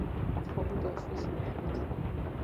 ცხოვრება დაასრულა სუიციდით.